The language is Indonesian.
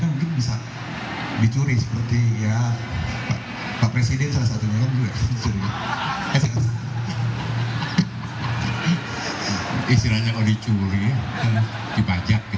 bagaimana melihat ini karena kan banyak kader lainnya yang diambil oleh pdip ini ya pak ya